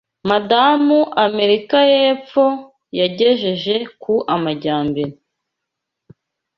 Madamu Amerika yepfo yaygejeje ku amajyambere